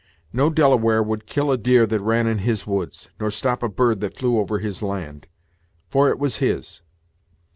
No Delaware would kill a deer that ran in his woods, nor stop a bird that flew over his land; for it was his.